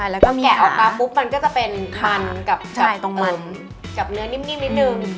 แกะออกมาปุ๊บมันก็จะเป็นมันกับเนื้อนิ่มนิดนึง